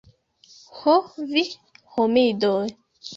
Ho vi homidoj!